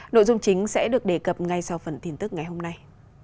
nội dung chính sẽ được đề cập ngay sau phần tin tức ngày hôm nay